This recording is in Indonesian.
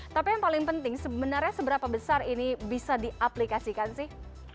tapi yang paling penting sebenarnya seberapa besar ini bisa diaplikasikan sih